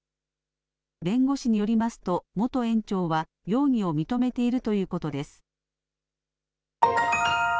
弁護士によりますと、元園長は、容疑を認めているということです。